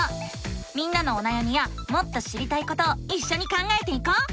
みんなのおなやみやもっと知りたいことをいっしょに考えていこう！